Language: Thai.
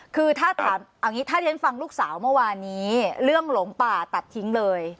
คือถ้าถามเอางี้ถ้าที่ฉันฟังลูกสาวเมื่อวานนี้เรื่องหลงป่าตัดทิ้งเลย